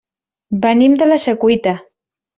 Venim de la Secuita.